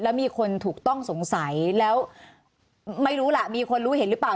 แล้วมีคนถูกต้องสงสัยแล้วไม่รู้ล่ะมีคนรู้เห็นหรือเปล่า